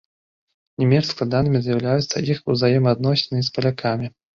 Не менш складанымі з'яўляюцца іх узаемаадносіны і з палякамі.